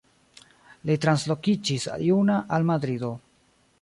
Li translokiĝis juna al Madrido.